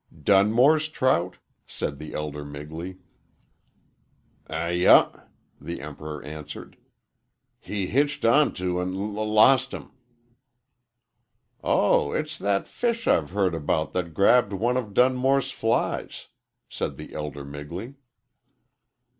"Dunmore's trout?" said the elder Migley. "Ay uh," the Emperor answered. "He hitched onto an' l lost him." "Oh, it's that fish I've heard about that grabbed off one of Dunmore's flies," said the elder Migley.